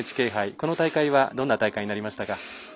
この大会はどんな大会になりましたか？